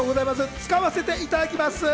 使わせていただきます。